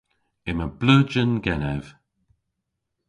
Yma bleujen genev.